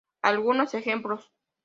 Algunos ejemplos.